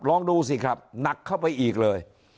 ลองดูสิครับหนักเข้าไปอีกเลย